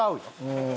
うん。